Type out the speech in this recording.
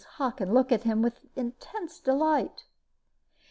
Hockin looked at him with intense delight.